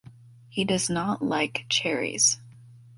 He does not like cherries